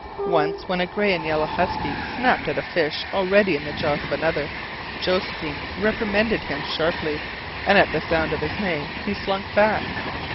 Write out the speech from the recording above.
Once when a gray and yellow husky snapped at a fish already in the jaws of another, Josephine reprimanded him sharply, and at the sound of his name he slunk back.